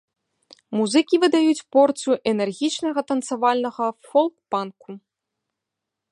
Музыкі выдаюць порцыю энергічнага танцавальнага фолк-панку.